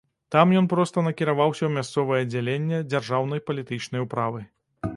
Там ён проста накіраваўся ў мясцовае аддзяленне дзяржаўнай палітычнай управы.